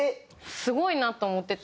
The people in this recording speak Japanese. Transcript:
すごいなと思ってて。